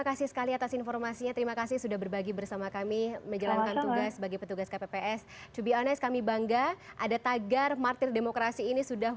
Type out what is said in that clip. kesehatan atau seperti apa